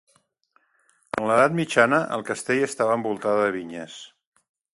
En l'Edat Mitjana el castell estava envoltada de vinyes.